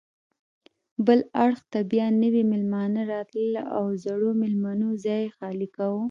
بل اړخ ته بیا نوي میلمانه راتلل او زړو میلمنو ځای خالي کاوه.